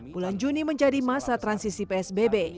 bulan juni menjadi masa transisi psbb